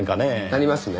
なりますね。